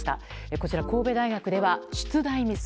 こちら神戸大学では出題ミス。